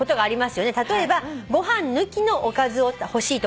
「例えばご飯抜きのおかずを欲しいとか」